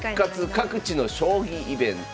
各地の将棋イベント」。